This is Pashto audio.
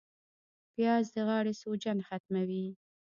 پیاز د غاړې سوجن ختموي